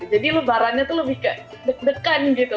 jadi lebarannya tuh lebih ke deg degan gitu